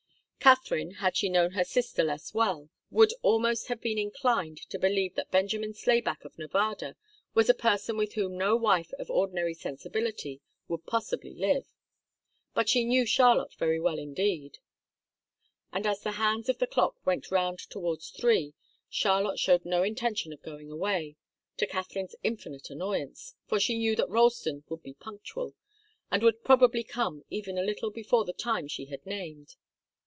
Katharine, had she known her sister less well, would almost have been inclined to believe that Benjamin Slayback of Nevada was a person with whom no wife of ordinary sensibility would possibly live. But she knew Charlotte very well indeed. And as the hands of the clock went round towards three, Charlotte showed no intention of going away, to Katharine's infinite annoyance, for she knew that Ralston would be punctual, and would probably come even a little before the time she had named.